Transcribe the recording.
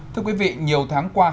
thưa quý vị nhiều tháng qua